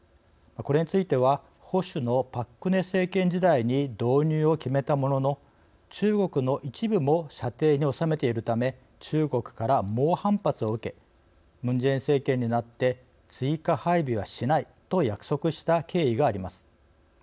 これについては保守のパク・クネ政権時代に導入を決めたものの中国の一部も射程に収めているため中国から猛反発を受けムン・ジェイン政権になって追加配備はしないと約束した経緯があります。